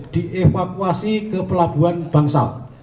dievakuasi ke pelabuhan bangsal